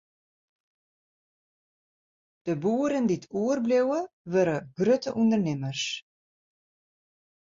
De boeren dy't oerbliuwe, wurde grutte ûndernimmers.